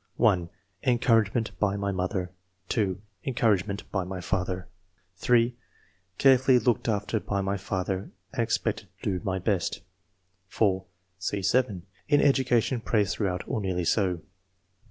(1) " Encouragement by my mother. " (2) " Encouragement by my father." (3) " Carefully looked after by my father and expected to do my best." (4) (See (7), in " Education praised through out or nearly so.")